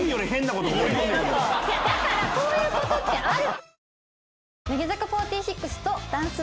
だからこういうことってある。